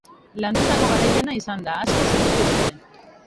Landutako garaipena izan da, asko sufritu dute.